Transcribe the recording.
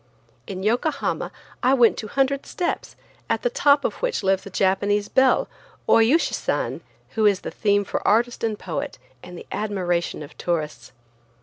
In Yokohama, I went to Hundred Steps, at the top of which lives a Japanese belle, Oyuchisan, who is the theme for artist and poet, and the admiration of tourists.